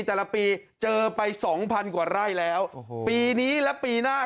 แต่ละปีเจอไปสองพันกว่าไร่แล้วโอ้โหปีนี้และปีหน้า